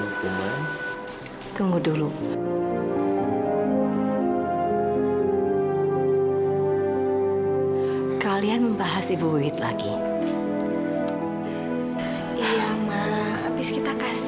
ibu lel fellows euchnd apakah sudah men apex dekat